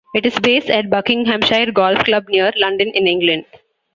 It is based at Buckinghamshire Golf Club near London in England.